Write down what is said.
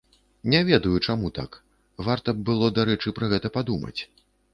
Не ведаю, чаму так, варта б было, дарэчы, пра гэта падумаць.